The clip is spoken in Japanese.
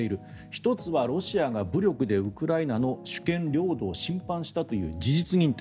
１つはロシアが武力でウクライナの主権・領土を侵犯したという事実認定。